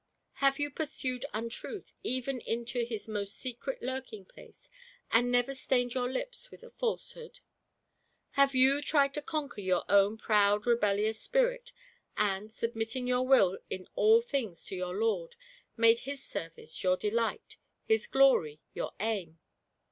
Have you pursued Untruth even into GIANT PRIDE. 1C5 his most secret lurking place, and never stoned your lips with a falsehood ? Have you tried to conquer your own proud rebellious spirit^ and, submitting your Will in all things to your Lord, made His service your de light, His glory your aim